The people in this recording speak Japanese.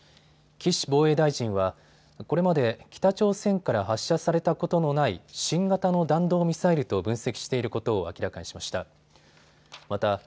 岸防衛大臣はこれまで北朝鮮から発射されたことのない新型の弾道ミサイルと分析していることを明らかにしました。